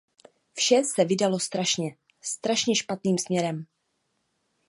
Vše se vydalo strašně, strašně špatným směrem.